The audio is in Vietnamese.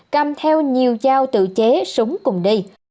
cầm theo nhiều dao tự chế súng cùng đi